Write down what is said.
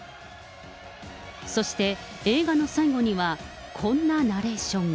そして映画の最後には、こんなナレーションが。